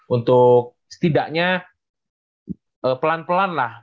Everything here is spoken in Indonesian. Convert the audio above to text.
untuk setidaknya pelan pelan lah